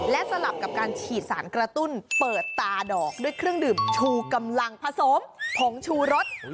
และสลับกับการฉีดสารกระตุ้นเปิดตาดอกด้วยเครื่องดื่มชูกำลังผสมผงชูรส